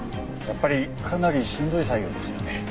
やっぱりかなりしんどい作業ですよね。